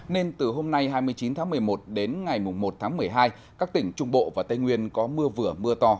nên từ hôm nay hai mươi chín tháng một mươi một đến ngày một tháng một mươi hai các tỉnh trung bộ và tây nguyên có mưa vừa mưa to